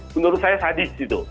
menurut saya sadis